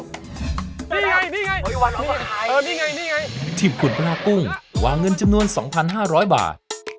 นี่ไงนี่ไงทีมขุนพลากุ้งวางเงินจำนวน๒๕๐๐บาท